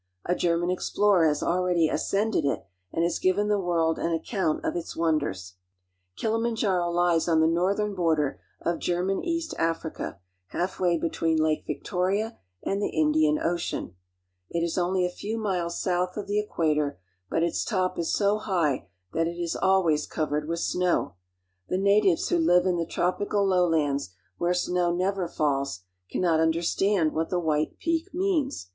A German explorer has I already ascended it and has given the world an account of ^^M alr€ ^^H its ^^^B Kilimanjaro lies on the northern border of German East ^^V Africa, halfway between Lake Victoria and the Indian ^^B Ocean, It is only a few miles south of the Equator, but ^^M its top is so high that it is always covered with snow. The ^^M natives who live in the tropical lowlands, where snow never Kilimanjaro. falls, can not understand what the white peak means.